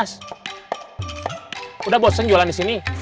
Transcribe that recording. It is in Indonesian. sudah bosen jualan di sini